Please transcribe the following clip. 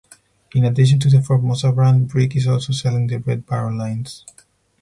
In addition to the Formosa brand, Brick is also selling the Red Baron lines.